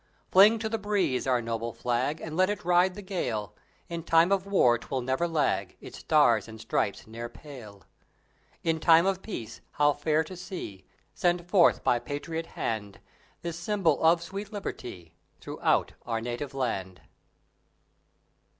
Fling to the breeze our noble Flag, And let it ride the gale! In time of War 'twill never lag; Its stars and stripes ne'er pale! In time of Peace how fair to see Sent forth by patriot hand This symbol of sweet Liberty Throughout our native land!